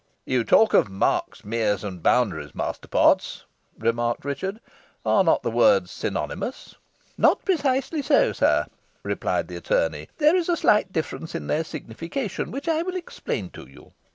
"You talk of marks, meres, and boundaries, Master Potts," remarked Richard. "Are not the words synonymous?" "Not precisely so, sir," replied the attorney; "there is a slight difference in their signification, which I will explain to you.